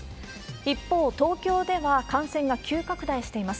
一方、東京では感染が急拡大しています。